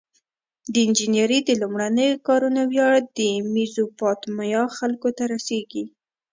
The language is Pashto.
د انجنیری د لومړنیو کارونو ویاړ د میزوپتامیا خلکو ته رسیږي.